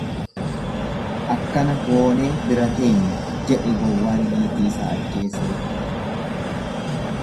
Akkana goonee bira teenya, jedhee gowwaan niitiisaa ajjeesee.